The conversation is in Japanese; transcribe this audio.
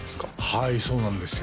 はいそうなんですよ